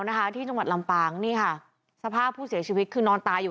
นะคะที่จังหวัดลำปางนี่ค่ะสภาพผู้เสียชีวิตคือนอนตายอยู่